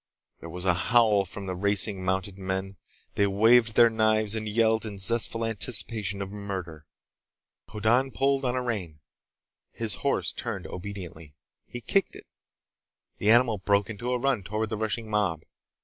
There was a howl from the racing, mounted men. They waved their knives and yelled in zestful anticipation of murder. Hoddan pulled on a rein. His horse turned obediently. He kicked it. The animal broke into a run toward the rushing mob.